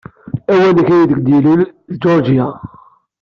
Awanak aydeg d-ilul d Georgia.